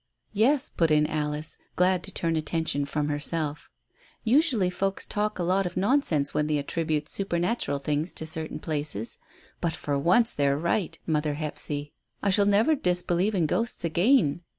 "Yes," put in Alice, glad to turn attention from herself, "usually folks talk a lot of nonsense when they attribute supernatural things to certain places. But for once they're right, mother Hephzy; I shall never disbelieve in ghosts again.